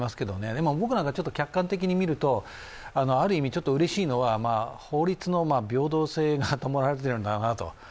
でも僕なんかちょっと客観的にみると、ある意味、うれしいのは法律の平等性が保たれてるんだなと。